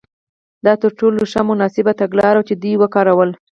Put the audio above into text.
دا تر ټولو ښه او مناسبه تګلاره وه چې دوی وکارول.